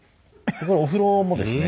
これお風呂もですね。